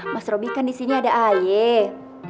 mas robi kan disini ada ayem